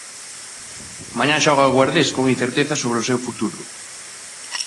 Mañá xoga o Guardés con incertezas sobre o seu futuro.